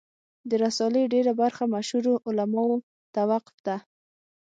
د رسالې ډېره برخه مشهورو علماوو ته وقف ده.